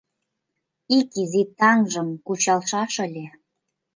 Ик изи таҥжым кучалшаш ыле